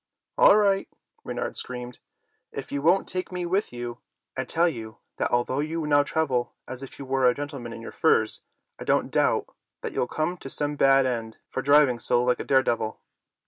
"All right!" Reynard screamed, "if you won't take me with you, I tell you that although you now travel as if you were a gentleman in your furs, I don't doubt that you'll come to some bad end for driving so like a daredevil."